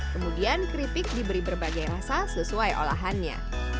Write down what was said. kemudian keripik diberi berbagai rasa sesuai olahannya